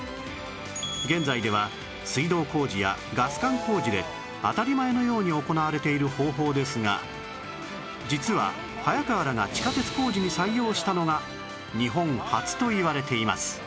現在では水道工事やガス管工事で当たり前のように行われている方法ですが実は早川らが地下鉄工事に採用したのが日本初といわれています